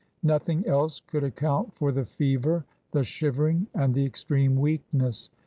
Nothing else could account for the fever, the shivering, and the extreme weakness.